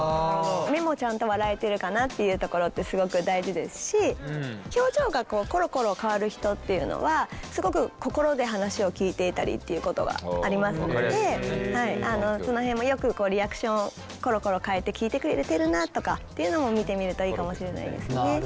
目もちゃんと笑えてるかなっていうところってすごく大事ですし表情がコロコロ変わる人っていうのはすごく心で話を聞いていたりっていうことがありますのでその辺もよくリアクションコロコロ変えて聞いてくれてるなとかっていうのも見てみるといいかもしれないですね。